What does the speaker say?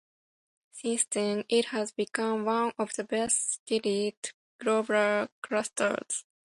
Since then, it has become one of the best-studied globular clusters.